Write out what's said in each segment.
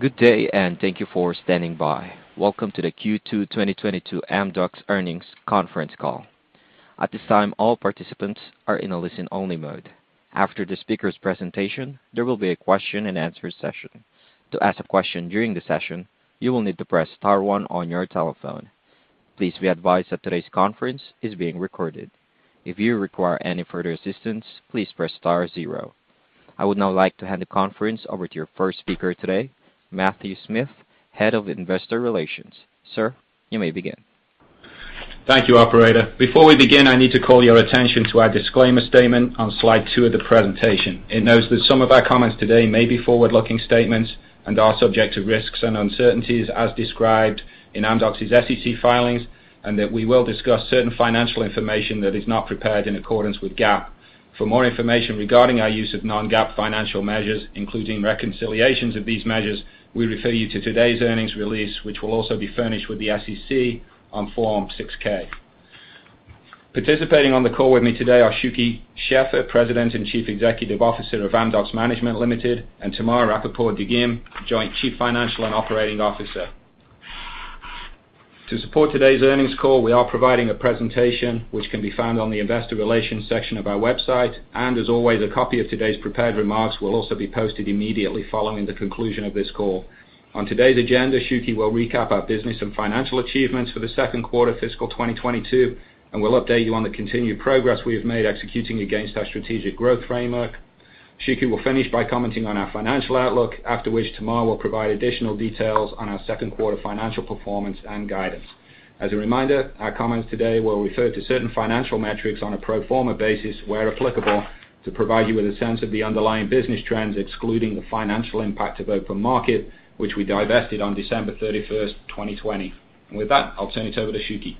Good day, thank you for standing by. Welcome to the Q2 2022 Amdocs earnings conference call. At this time, all participants are in a listen-only mode. After the speaker's presentation, there will be a question and answer session. To ask a question during the session, you will need to press star one on your telephone. Please be advised that today's conference is being recorded. If you require any further assistance, please press star zero. I would now like to hand the conference over to your first speaker today, Matthew Smith, Head of Investor Relations. Sir, you may begin. Thank you, operator. Before we begin, I need to call your attention to our disclaimer statement on slide two of the presentation. It notes that some of our comments today may be forward-looking statements and are subject to risks and uncertainties as described in Amdocs' SEC filings. That we will discuss certain financial information that is not prepared in accordance with GAAP. For more information regarding our use of non-GAAP financial measures, including reconciliations of these measures, we refer you to today's earnings release, which will also be furnished with the SEC on Form 6K. Participating on the call with me today are Shuky Sheffer, President and Chief Executive Officer of Amdocs Management Limited, and Tamar Rapaport-Dagim, Joint Chief Financial and Operating Officer. To support today's earnings call, we are providing a presentation which can be found on the investor relations section of our website. As always, a copy of today's prepared remarks will also be posted immediately following the conclusion of this call. On today's agenda, Shuky will recap our business and financial achievements for the second quarter fiscal 2022, and we'll update you on the continued progress we have made executing against our strategic growth framework. Shuky will finish by commenting on our financial outlook. After which, Tamar will provide additional details on our second quarter financial performance and guidance. As a reminder, our comments today will refer to certain financial metrics on a pro forma basis where applicable, to provide you with a sense of the underlying business trends, excluding the financial impact of OpenMarket, which we divested on December 31, 2020. With that, I'll turn it over to Shuky.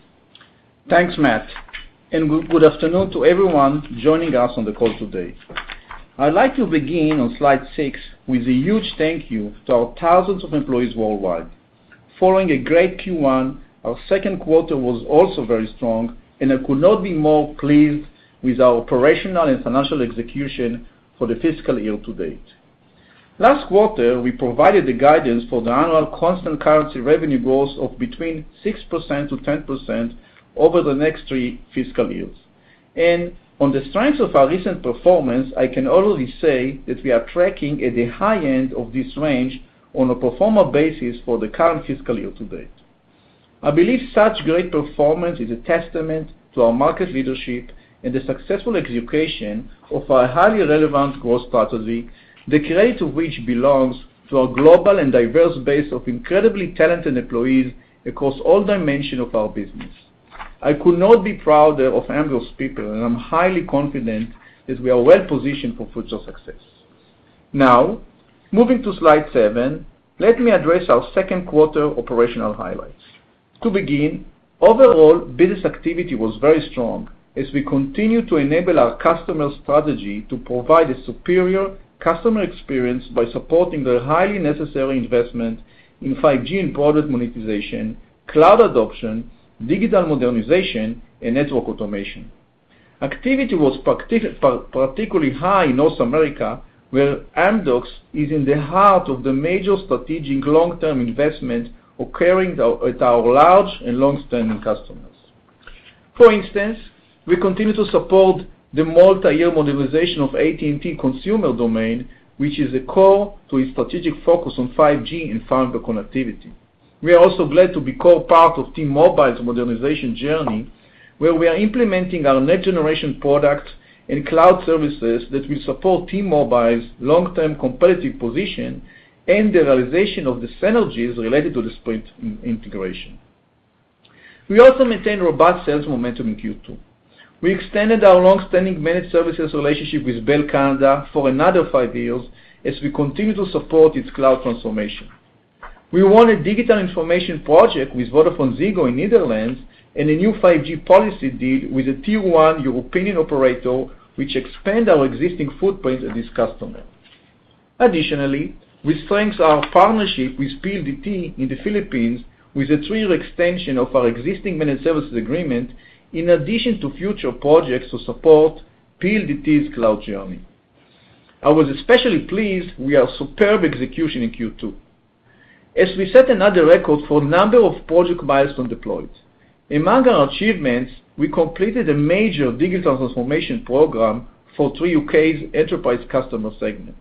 Thanks, Matt, and good afternoon to everyone joining us on the call today. I'd like to begin on slide six with a huge thank you to our thousands of employees worldwide. Following a great Q1, our second quarter was also very strong, and I could not be more pleased with our operational and financial execution for the fiscal year to date. Last quarter, we provided the guidance for the annual constant currency revenue growth of between 6%-10% over the next three fiscal years. On the strength of our recent performance, I can already say that we are tracking at the high end of this range on a pro forma basis for the current fiscal year to date. Believe such great performance is a testament to our market leadership and the successful execution of our highly relevant growth strategy, the credit of which belongs to our global and diverse base of incredibly talented employees across all dimensions of our business. I could not be prouder of Amdocs people, and I'm highly confident that we are well-positioned for future success. Now, moving to slide seven, let me address our second quarter operational highlights. To begin, overall, business activity was very strong as we continue to enable our customer strategy to provide a superior customer experience by supporting the highly necessary investment in 5G and product monetization, cloud adoption, digital modernization, and network automation. Activity was particularly high in North America, where Amdocs is in the heart of the major strategic long-term investment occurring at our large and long-standing customers. For instance, we continue to support the multi-year modernization of AT&T consumer domain, which is a core to its strategic focus on 5G and fiber connectivity. We are also glad to be core part of T-Mobile's modernization journey, where we are implementing our next-generation product and cloud services that will support T-Mobile's long-term competitive position and the realization of the synergies related to the Sprint integration. We also maintained robust sales momentum in Q2. We extended our long-standing managed services relationship with Bell Canada for another five years as we continue to support its cloud transformation. We won a digital transformation project with VodafoneZiggo in the Netherlands, and a new 5G policy deal with a tier one European operator, which expand our existing footprint at this customer. Additionally, we strengthened our partnership with PLDT in the Philippines with a three-year extension of our existing managed services agreement, in addition to future projects to support PLDT's cloud journey. I was especially pleased we had superb execution in Q2, as we set another record for number of project milestones deployed. Among our achievements, we completed a major digital transformation program for Three UK's enterprise customer segment,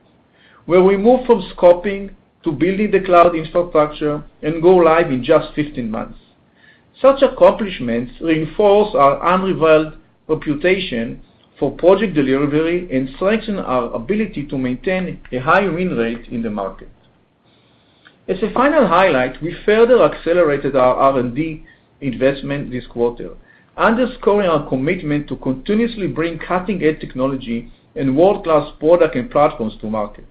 where we moved from scoping to building the cloud infrastructure and go live in just 15 months. Such accomplishments reinforce our unrivaled reputation for project delivery and strengthen our ability to maintain a high win rate in the market. As a final highlight, we further accelerated our R&D investment this quarter, underscoring our commitment to continuously bring cutting-edge technology and world-class product and platforms to market.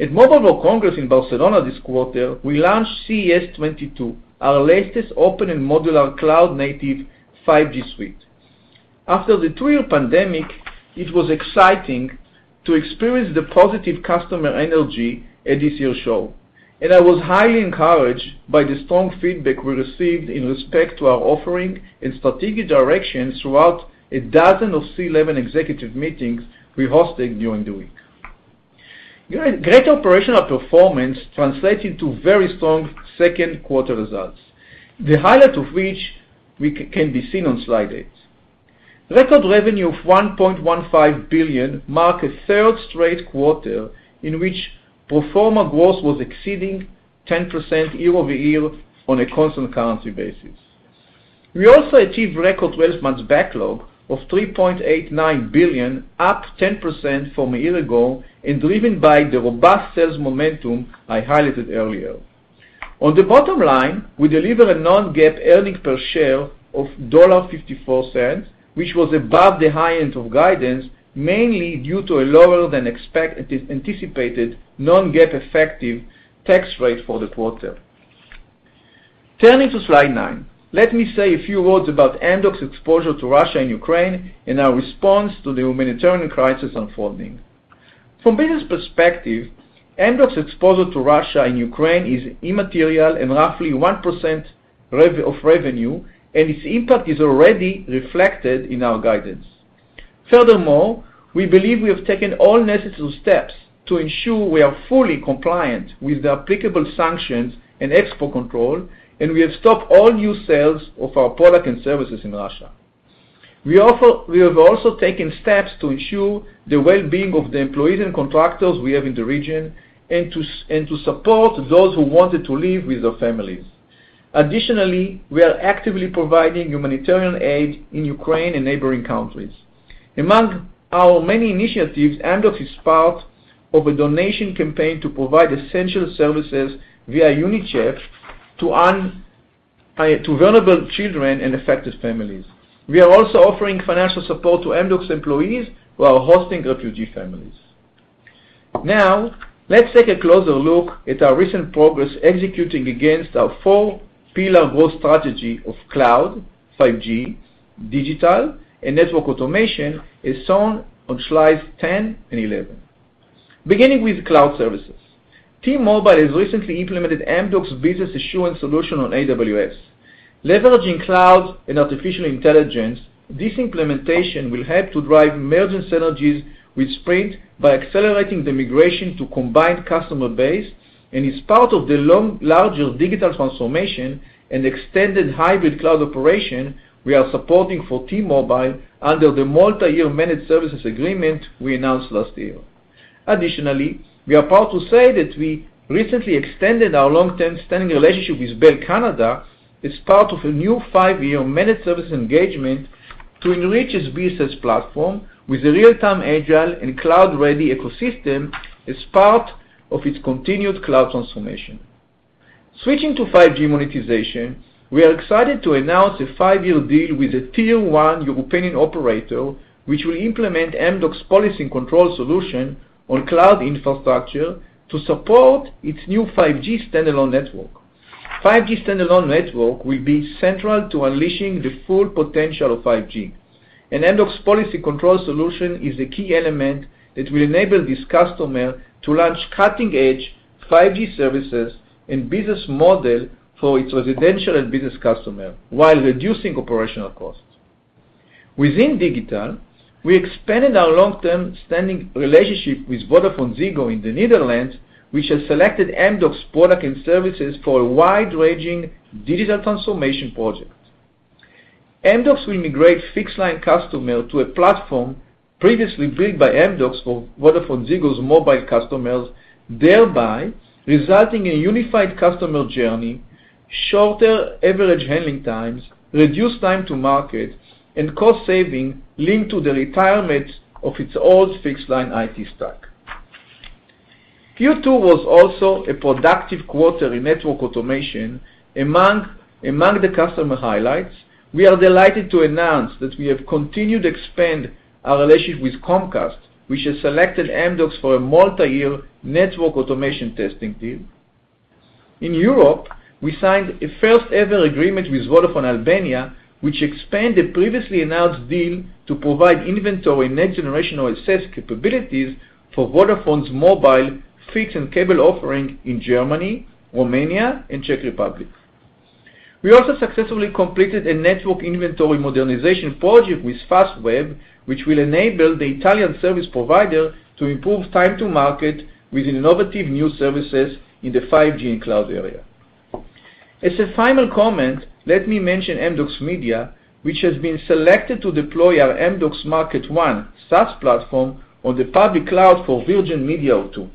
At Mobile World Congress in Barcelona this quarter, we launched CES22, our latest open and modular cloud-native 5G suite. After the two-year pandemic, it was exciting to experience the positive customer energy at this year's show. I was highly encouraged by the strong feedback we received in respect to our offering and strategic direction throughout a dozen of C-level executive meetings we hosted during the week. Great operational performance translated to very strong second quarter results. The highlight of which can be seen on slide eight. Record revenue of $1.15 billion marked a third straight quarter in which pro forma growth was exceeding 10% year-over-year on a constant currency basis. We also achieved record 12-month backlog of $3.89 billion, up 10% from a year ago, and driven by the robust sales momentum I highlighted earlier. On the bottom line, we deliver a non-GAAP earnings per share of $0.54, which was above the high end of guidance, mainly due to a lower than anticipated non-GAAP effective tax rate for the quarter. Turning to slide nine, let me say a few words about Amdocs' exposure to Russia and Ukraine and our response to the humanitarian crisis unfolding. From business perspective, Amdocs' exposure to Russia and Ukraine is immaterial and roughly 1% of revenue, and its impact is already reflected in our guidance. Furthermore, we believe we have taken all necessary steps to ensure we are fully compliant with the applicable sanctions and export control, and we have stopped all new sales of our product and services in Russia. We have also taken steps to ensure the well-being of the employees and contractors we have in the region and to support those who wanted to leave with their families. Additionally, we are actively providing humanitarian aid in Ukraine and neighboring countries. Among our many initiatives, Amdocs is part of a donation campaign to provide essential services via UNICEF to vulnerable children and affected families. We are also offering financial support to Amdocs employees who are hosting refugee families. Now, let's take a closer look at our recent progress executing against our four pillar growth strategy of cloud, 5G, digital, and network automation, as shown on slides 10 and 11. Beginning with cloud services. T-Mobile has recently implemented Amdocs' business assurance solution on AWS. Leveraging cloud and artificial intelligence, this implementation will help to drive merger synergies with Sprint by accelerating the migration to combined customer base, and is part of the larger long-term digital transformation and extended hybrid cloud operation we are supporting for T-Mobile under the multi-year managed services agreement we announced last year. Additionally, we are proud to say that we recently extended our long-term standing relationship with Bell Canada as part of a new five-year managed service engagement to enrich its business platform with a real-time agile and cloud-ready ecosystem as part of its continued cloud transformation. Switching to 5G monetization, we are excited to announce a five-year deal with a tier one European operator, which will implement Amdocs policy and control solution on cloud infrastructure to support its new 5G standalone network. 5G standalone network will be central to unleashing the full potential of 5G, and Amdocs policy control solution is a key element that will enable this customer to launch cutting-edge 5G services and business model for its residential and business customer, while reducing operational costs. Within digital, we expanded our long-term standing relationship with VodafoneZiggo in the Netherlands, which has selected Amdocs product and services for a wide-ranging digital transformation project. Amdocs will integrate fixed line customer to a platform previously built by Amdocs for VodafoneZiggo's mobile customers, thereby resulting in unified customer journey, shorter average handling times, reduced time to market, and cost saving linked to the retirement of its old fixed line IT stack. Q2 was also a productive quarter in network automation. Among the customer highlights, we are delighted to announce that we have continued to expand our relationship with Comcast, which has selected Amdocs for a multi-year network automation deal. In Europe, we signed a first-ever agreement with Vodafone Albania, which expands the previously announced deal to provide inventory and next-generation access capabilities for Vodafone's mobile fixed and cable offerings in Germany, Romania, and Czech Republic. We also successfully completed a network inventory modernization project with Fastweb, which will enable the Italian service provider to improve time to market with innovative new services in the 5G and cloud era. As a final comment, let me mention Amdocs Media, which has been selected to deploy our Amdocs MarketONE SaaS platform on the public cloud for Virgin Media O2.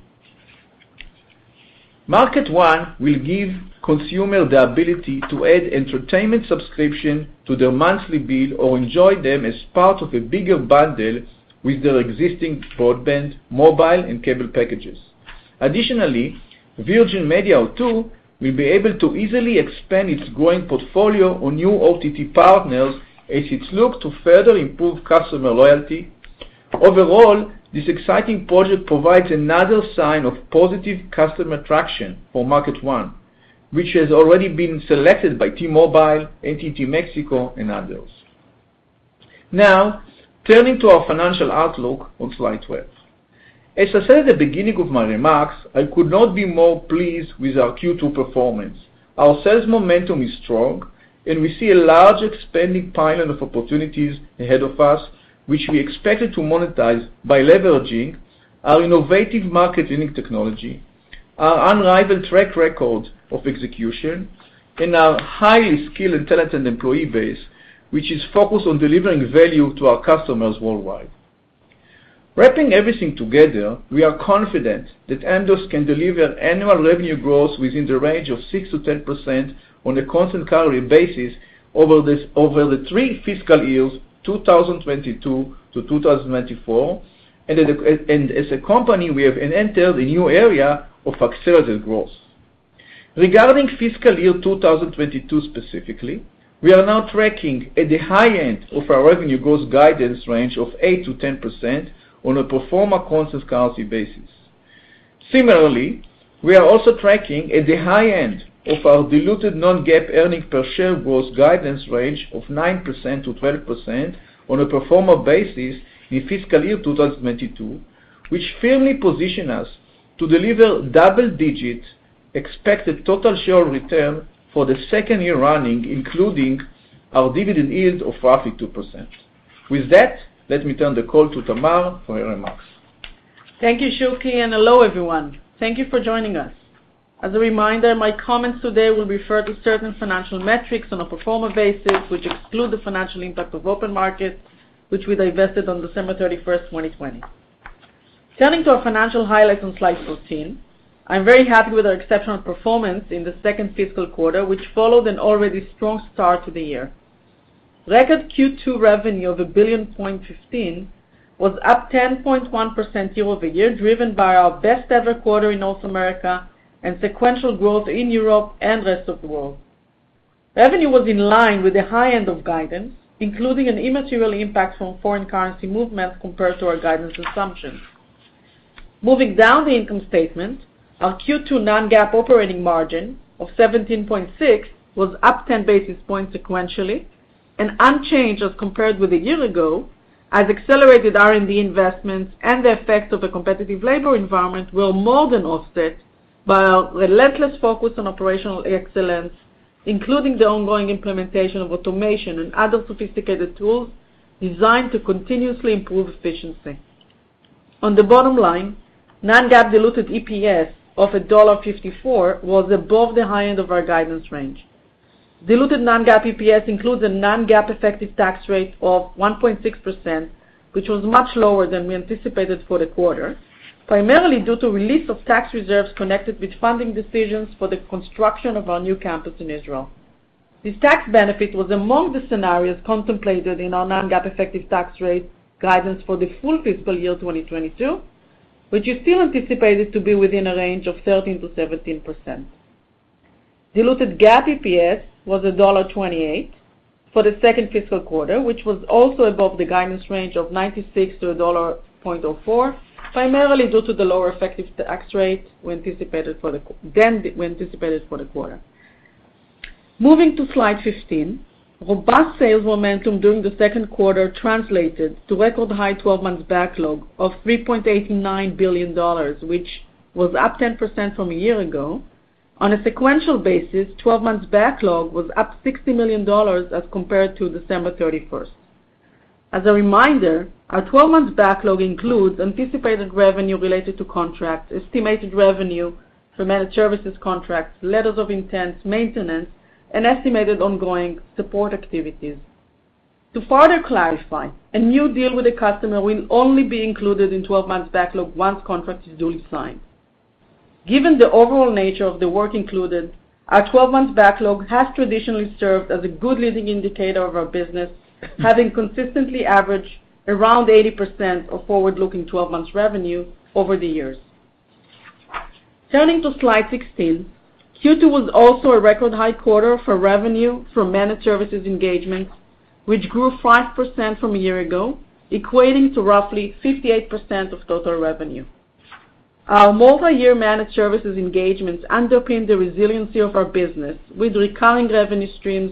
MarketONE will give consumer the ability to add entertainment subscription to their monthly bill or enjoy them as part of a bigger bundle with their existing broadband, mobile, and cable packages. Additionally, Virgin Media O2 will be able to easily expand its growing portfolio on new OTT partners as it looks to further improve customer loyalty. Overall, this exciting project provides another sign of positive customer traction for MarketONE, which has already been selected by T-Mobile, AT&T Mexico, and others. Now, turning to our financial outlook on slide 12. As I said at the beginning of my remarks, I could not be more pleased with our Q2 performance. Our sales momentum is strong. We see a large expanding pipeline of opportunities ahead of us, which we expected to monetize by leveraging our innovative market-winning technology, our unrivaled track record of execution, and our highly skilled and talented employee base, which is focused on delivering value to our customers worldwide. Wrapping everything together, we are confident that Amdocs can deliver annual revenue growth within the range of 6%-10% on a constant currency basis over the three fiscal years, 2022-2024, and as a company, we have entered a new area of accelerated growth. Regarding fiscal year 2022 specifically, we are now tracking at the high end of our revenue growth guidance range of 8%-10% on a pro forma constant currency basis. Similarly, we are also tracking at the high end of our diluted non-GAAP earnings per share growth guidance range of 9%-12% on a pro forma basis in fiscal year 2022, which firmly position us to deliver double digits expected total share return for the second year running, including our dividend yield of 42%. With that, let me turn the call to Tamar for your remarks. Thank you, Shuky, and hello, everyone. Thank you for joining us. As a reminder, my comments today will refer to certain financial metrics on a pro forma basis, which exclude the financial impact of OpenMarket, which we divested on December 31, 2020. Turning to our financial highlights on slide 14, I'm very happy with our exceptional performance in the second fiscal quarter, which followed an already strong start to the year. Record Q2 revenue of $1.15 billion was up 10.1% year-over-year, driven by our best-ever quarter in North America and sequential growth in Europe and rest of world. Revenue was in line with the high end of guidance, including an immaterial impact from foreign currency movement compared to our guidance assumptions. Moving down the income statement, our Q2 non-GAAP operating margin of 17.6% was up 10 basis points sequentially and unchanged as compared with a year ago, as accelerated R&D investments and the effects of a competitive labor environment were more than offset by our relentless focus on operational excellence, including the ongoing implementation of automation and other sophisticated tools designed to continuously improve efficiency. On the bottom line, non-GAAP diluted EPS of $1.54 was above the high end of our guidance range. Diluted non-GAAP EPS includes a non-GAAP effective tax rate of 1.6%, which was much lower than we anticipated for the quarter, primarily due to release of tax reserves connected with funding decisions for the construction of our new campus in Israel. This tax benefit was among the scenarios contemplated in our non-GAAP effective tax rate guidance for the full fiscal year 2022, which is still anticipated to be within a range of 13%-17%. Diluted GAAP EPS was $1.28 for the second fiscal quarter, which was also above the guidance range of $0.96-$1.04, primarily due to the lower effective tax rate we anticipated for the quarter than we anticipated for the quarter. Moving to slide 15, robust sales momentum during the second quarter translated to record high 12-month backlog of $3.89 billion, which was up 10% from a year ago. On a sequential basis, 12-month backlog was up $60 million as compared to December 31. As a reminder, our 12-month backlog includes anticipated revenue related to contracts, estimated revenue for managed services contracts, letters of intent, maintenance, and estimated ongoing support activities. To further clarify, a new deal with a customer will only be included in 12-month backlog once contract is duly signed. Given the overall nature of the work included, our 12-month backlog has traditionally served as a good leading indicator of our business, having consistently averaged around 80% of forward-looking 12-month revenue over the years. Turning to slide 16, Q2 was also a record high quarter for revenue for managed services engagements, which grew 5% from a year ago, equating to roughly 58% of total revenue. Our multiyear managed services engagements underpin the resiliency of our business with recurring revenue streams,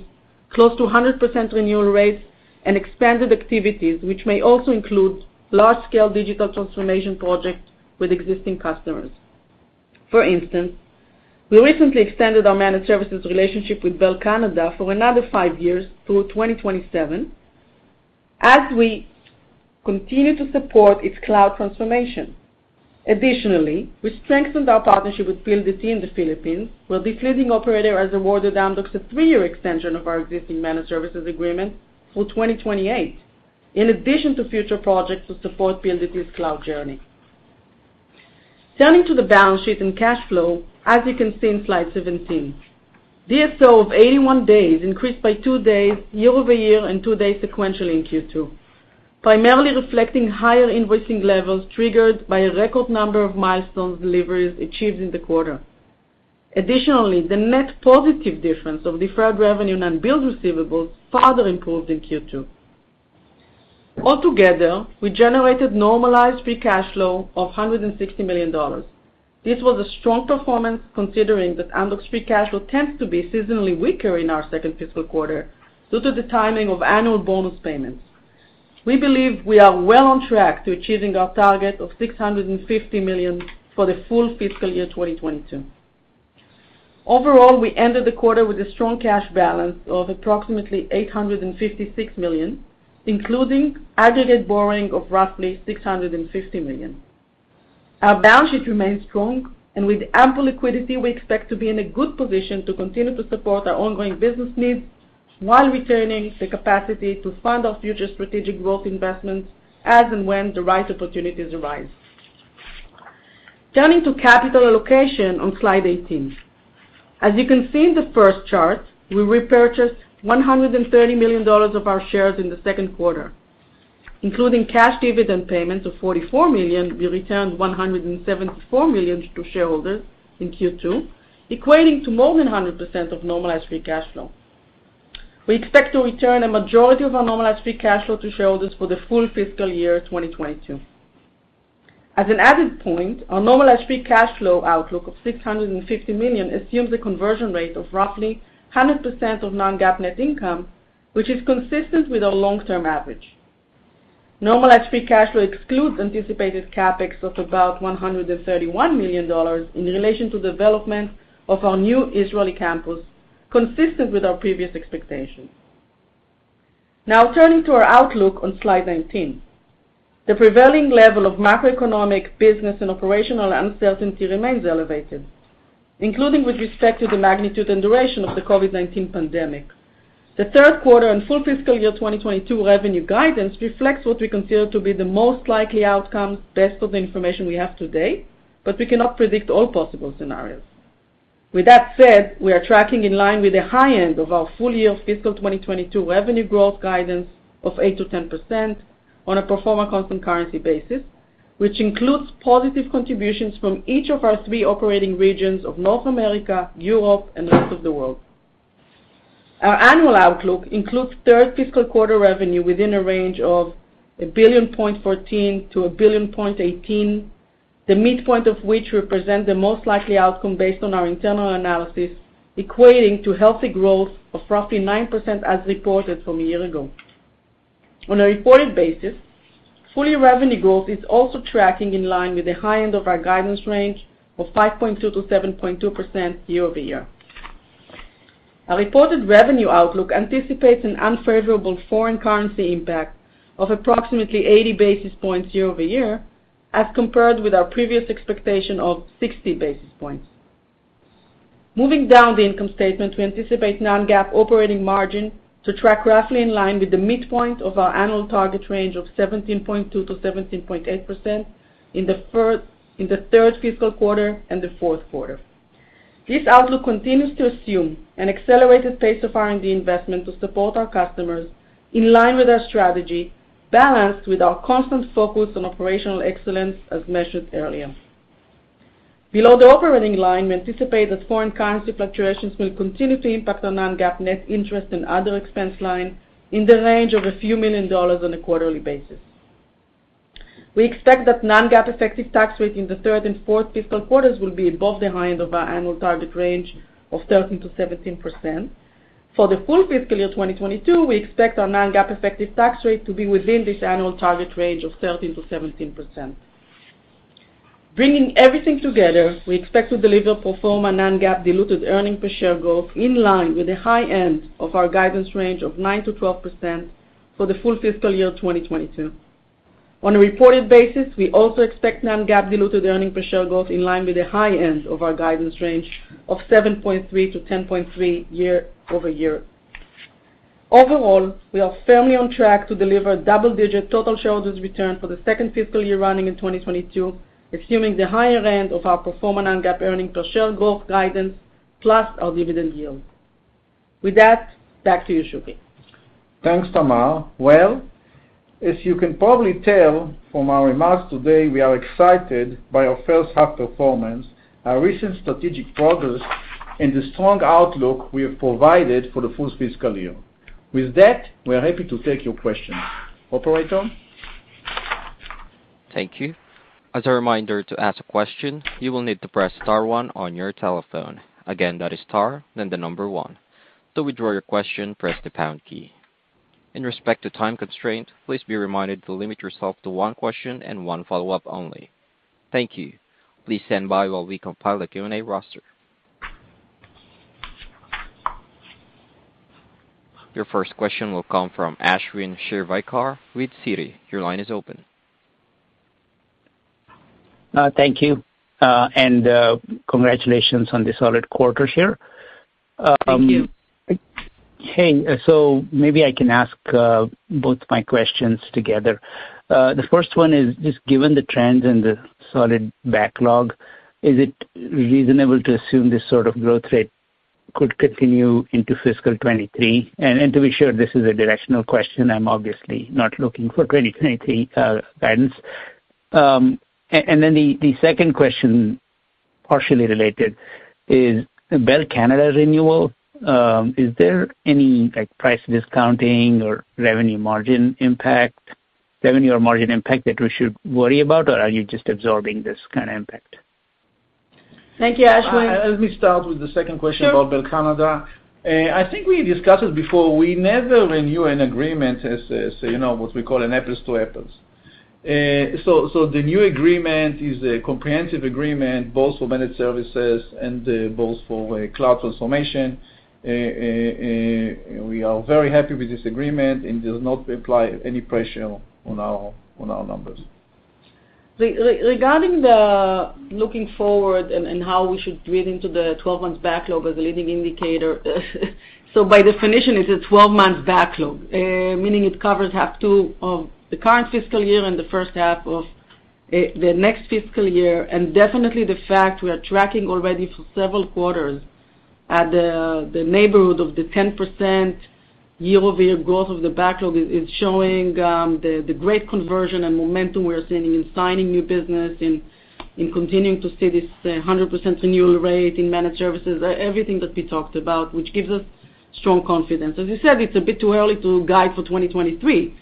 close to 100% renewal rates, and expanded activities, which may also include large-scale digital transformation projects with existing customers. For instance, we recently extended our managed services relationship with Bell Canada for another five years through 2027 as we continue to support its cloud transformation. Additionally, we strengthened our partnership with PLDT in the Philippines, where this leading operator has awarded Amdocs a three-year extension of our existing managed services agreement through 2028, in addition to future projects to support PLDT's cloud journey. Turning to the balance sheet and cash flow, as you can see in slide 17, DSO of 81 days increased by two days year-over-year and two days sequentially in Q2, primarily reflecting higher invoicing levels triggered by a record number of milestones deliveries achieved in the quarter. Additionally, the net positive difference of deferred revenue and unbilled receivables further improved in Q2. Altogether, we generated normalized free cash flow of $160 million. This was a strong performance considering that Amdocs free cash flow tends to be seasonally weaker in our second fiscal quarter due to the timing of annual bonus payments. We believe we are well on track to achieving our target of $650 million for the full fiscal year 2022. Overall, we ended the quarter with a strong cash balance of approximately $856 million, including aggregate borrowing of roughly $650 million. Our balance sheet remains strong, and with ample liquidity, we expect to be in a good position to continue to support our ongoing business needs while retaining the capacity to fund our future strategic growth investments as and when the right opportunities arise. Turning to capital allocation on slide 18. As you can see in the first chart, we repurchased $130 million of our shares in the second quarter, including cash dividend payments of $44 million. We returned $174 million to shareholders in Q2, equating to more than 100% of normalized free cash flow. We expect to return a majority of our normalized free cash flow to shareholders for the full fiscal year 2022. As an added point, our normalized free cash flow outlook of $650 million assumes a conversion rate of roughly 100% of non-GAAP net income, which is consistent with our long-term average. Normalized free cash flow excludes anticipated CapEx of about $131 million in relation to development of our new Israeli campus, consistent with our previous expectations. Now turning to our outlook on slide 19. The prevailing level of macroeconomic business and operational uncertainty remains elevated, including with respect to the magnitude and duration of the COVID-19 pandemic. The third quarter and full fiscal year 2022 revenue guidance reflects what we consider to be the most likely outcome based on the information we have today, but we cannot predict all possible scenarios. With that said, we are tracking in line with the high end of our full year fiscal 2022 revenue growth guidance of 8%-10% on a pro forma constant currency basis, which includes positive contributions from each of our three operating regions of North America, Europe, and the rest of the world. Our annual outlook includes third fiscal quarter revenue within a range of $1.14 billion-$1.18 billion, the midpoint of which represent the most likely outcome based on our internal analysis, equating to healthy growth of roughly 9% as reported from a year ago. On a reported basis, full year revenue growth is also tracking in line with the high end of our guidance range of 5.2%-7.2% year-over-year. Our reported revenue outlook anticipates an unfavorable foreign currency impact of approximately 80 basis points year-over-year, as compared with our previous expectation of 60 basis points. Moving down the income statement, we anticipate non-GAAP operating margin to track roughly in line with the midpoint of our annual target range of 17.2%-17.8% in the third fiscal quarter and the fourth quarter. This outlook continues to assume an accelerated pace of R&D investment to support our customers in line with our strategy, balanced with our constant focus on operational excellence as measured earlier. Below the operating line, we anticipate that foreign currency fluctuations will continue to impact our non-GAAP net interest and other expense line in the range of few million dollar on a quarterly basis. We expect that non-GAAP effective tax rate in the third and fourth fiscal quarters will be above the high end of our annual target range of 13%-17%. For the full fiscal year 2022, we expect our non-GAAP effective tax rate to be within this annual target range of 13%-17%. Bringing everything together, we expect to deliver pro forma non-GAAP diluted earnings per share growth in line with the high end of our guidance range of 9%-12% for the full fiscal year 2022. On a reported basis, we also expect non-GAAP diluted earnings per share growth in line with the high end of our guidance range of 7.3-10.3 year-over-year. Overall, we are firmly on track to deliver double-digit total shareholders return for the second fiscal year running in 2022, assuming the higher end of our pro forma non-GAAP earnings per share growth guidance plus our dividend yield. With that, back to you, Shuky. Thanks, Tamar. Well, as you can probably tell from our remarks today, we are excited by our first half performance, our recent strategic progress, and the strong outlook we have provided for the full fiscal year. With that, we are happy to take your questions. Operator? Thank you. As a reminder, to ask a question, you will need to press star one on your telephone. Again, that is star, then the number one. To withdraw your question, press the pound key. In respect to time constraint, please be reminded to limit yourself to one question and one follow-up only. Thank you. Please stand by while we compile the Q&A roster. Your first question will come from Ashwin Shirvaikar with Citi. Your line is open. Thank you. Congratulations on the solid quarter here. Thank you. Hey, maybe I can ask both my questions together. The first one is just given the trends and the solid backlog, is it reasonable to assume this sort of growth rate could continue into fiscal 2023? And to be sure, this is a directional question. I'm obviously not looking for 2023 guidance. And then the second question, partially related, is Bell Canada renewal, is there any, like, price discounting or revenue margin impact, revenue or margin impact that we should worry about, or are you just absorbing this kind of impact? Thank you, Ashwin. Let me start with the second question. Sure. About Bell Canada. I think we discussed it before. We never renew an agreement as you know what we call an apples to apples. The new agreement is a comprehensive agreement both for managed services and both for cloud transformation. We are very happy with this agreement. It does not apply any pressure on our numbers. Regarding looking forward and how we should read into the 12-month backlog as a leading indicator. By definition, it's a 12-month backlog, meaning it covers H2 of the current fiscal year and the first half of the next fiscal year, and definitely the fact we are tracking already for several quarters at the neighborhood of the 10% year-over-year growth of the backlog is showing the great conversion and momentum we are seeing in signing new business, in continuing to see this 100% renewal rate in managed services, everything that we talked about, which gives us strong confidence. As you said, it's a bit too early to guide for 2023,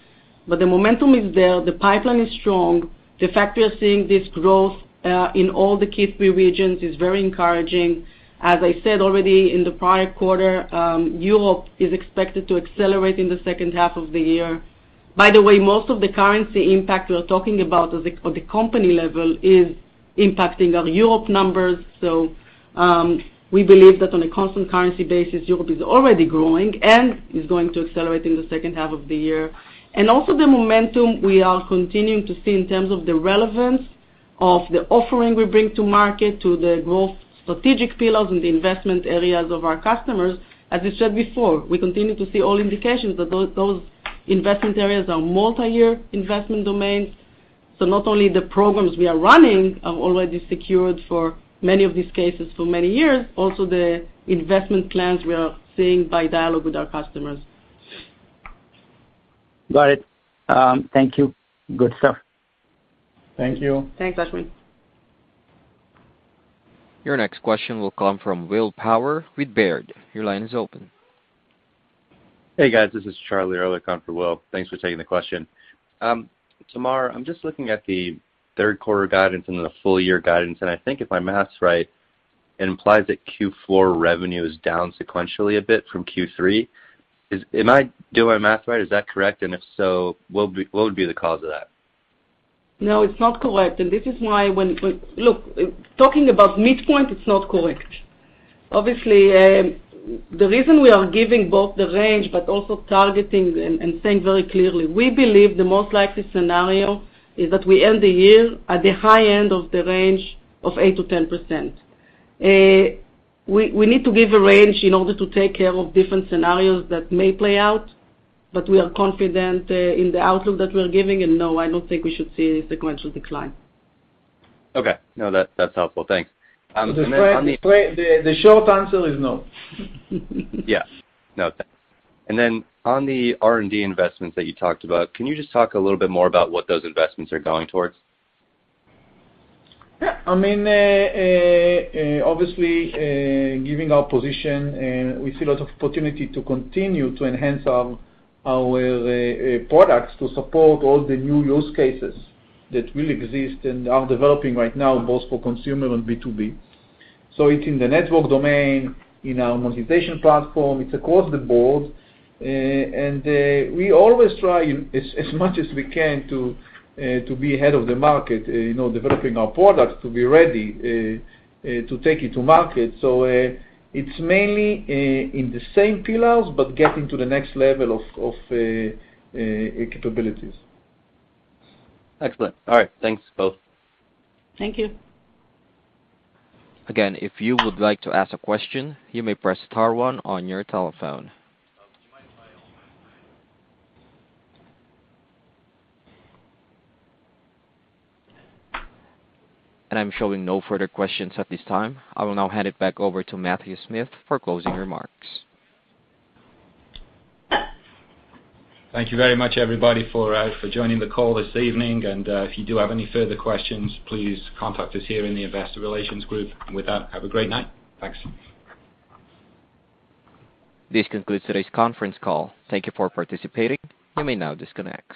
but the momentum is there, the pipeline is strong. The fact we are seeing this growth in all the key three regions is very encouraging. As I said already in the prior quarter, Europe is expected to accelerate in the second half of the year. By the way, most of the currency impact we are talking about is at the company level is impacting our Europe numbers. We believe that on a constant currency basis, Europe is already growing and is going to accelerate in the second half of the year. Also the momentum we are continuing to see in terms of the relevance of the offering we bring to market to the growth strategic pillars and the investment areas of our customers. As I said before, we continue to see all indications that those investment areas are multi-year investment domains. Not only the programs we are running are already secured for many of these cases for many years, also the investment plans we are seeing by dialogue with our customers. Got it. Thank you. Good stuff. Thank you. Thanks, Ashwin. Your next question will come from Will Power with Baird. Your line is open. Hey, guys, this is Charlie. I look after Will. Thanks for taking the question. Tamar, I'm just looking at the third quarter guidance and the full year guidance, and I think if my math's right, it implies that Q4 revenue is down sequentially a bit from Q3. Am I doing my math right? Is that correct? If so, what would be the cause of that? No, it's not correct. This is why. Look, talking about midpoint, it's not correct. Obviously, the reason we are giving both the range but also targeting and saying very clearly, we believe the most likely scenario is that we end the year at the high end of the range of 8%-10%. We need to give a range in order to take care of different scenarios that may play out, but we are confident in the outlook that we're giving. No, I don't think we should see a sequential decline. Okay. No, that's helpful. Thanks. The short answer is no. Yeah. No. on the R&D investments that you talked about, can you just talk a little bit more about what those investments are going towards? Yeah, I mean, obviously, giving our position, we see a lot of opportunity to continue to enhance our products to support all the new use cases that will exist and are developing right now both for consumer and B2B. It's in the network domain, in our monetization platform, it's across the board. We always try as much as we can to be ahead of the market, you know, developing our products to be ready to take it to market. It's mainly in the same pillars, but getting to the next level of capabilities. Excellent. All right. Thanks, both. Thank you. Again, if you would like to ask a question, you may press star one on your telephone. I'm showing no further questions at this time. I will now hand it back over to Matthew Smith for closing remarks. Thank you very much, everybody, for joining the call this evening. If you do have any further questions, please contact us here in the investor relations group. With that, have a great night. Thanks. This concludes today's conference call. Thank you for participating. You may now disconnect.